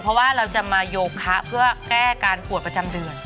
เพราะว่าเราจะมาโยคะเพื่อแก้การปวดประจำเดือน